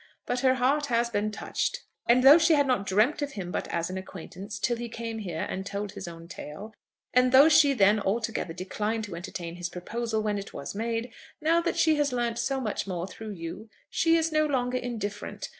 But her heart has been touched; and though she had not dreamt of him but as an acquaintance till he came here and told his own tale, and though she then altogether declined to entertain his proposal when it was made, now that she has learnt so much more through you, she is no longer indifferent.